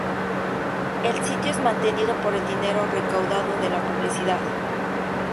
El sitio es mantenido por el dinero recaudado de la publicidad.